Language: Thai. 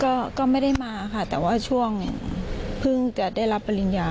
ก็ก็ไม่ได้มาค่ะแต่ว่าช่วงเพิ่งจะได้รับปริญญา